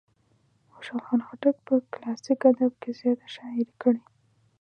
خوشال خان خټک په کلاسیک ادب کې زیاته شاعري کړې.